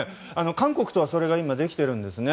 韓国とはそれが今できているんですね。